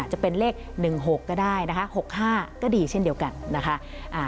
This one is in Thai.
จะเป็นเลข๑๖ก็ได้นะคะ๖๕ก็ดีเช่นเดียวกันนะคะ